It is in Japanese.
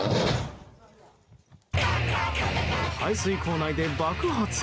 排水溝内で爆発。